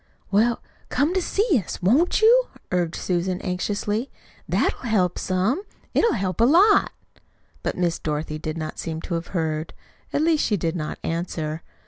"Well, come to see us, won't you?" urged Susan anxiously. "That'll help some it'll help a lot." But Miss Dorothy did not seem to have heard. At least she did not answer.